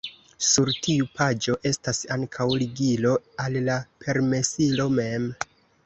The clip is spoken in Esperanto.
Sur tiu paĝo estas ankaŭ ligilo al la permesilo mem.